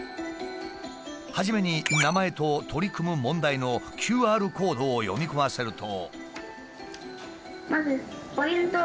初めに名前と取り組む問題のＱＲコードを読み込ませると。